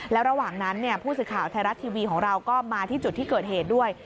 แล้วระหว่างนั้นผู้สื่อข่าวไทยรัฐทีวีของเราก็มาที่จุดที่เกิดเหตุด้วย